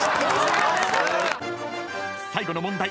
［最後の問題